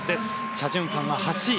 チャ・ジュンファンは８位。